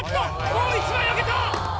もう１枚上げた！